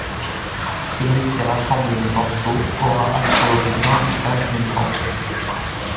Celui qui rassemble les morceaux aura accès au butin du casse d'une banque.